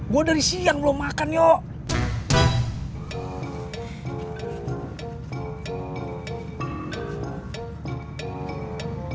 gue dari siang belum makan yuk